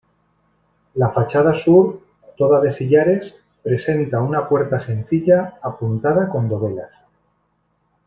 La fachada sur, toda de sillares, presenta una puerta sencilla, apuntada con dovelas.